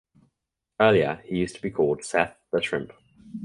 Earlier he used to be called Seth "The Shrimp".